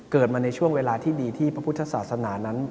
เกิดมาในช่วงเวลาที่ดีที่พระพุทธศาสนานั้น